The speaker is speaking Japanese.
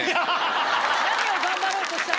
何を頑張ろうとしたの？